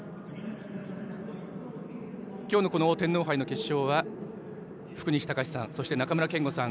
今日の天皇杯の決勝は福西崇史さん、中村憲剛さん